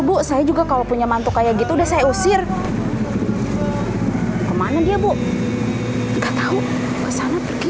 bu saya juga kalau punya mantu kayak gitu udah saya usir kemana dia bu gak tahu kesana pergi